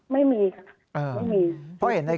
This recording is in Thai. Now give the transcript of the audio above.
ไม่มีค่ะไม่มี